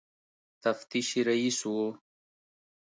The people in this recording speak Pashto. تفتیش رییس وو.